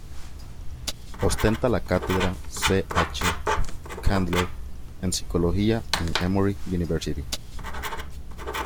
Ostenta la cátedra C. H. Candler en Psicología en Emory University.